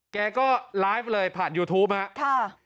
แกก็ไลฟ์เลยผ่านยูทูปครับ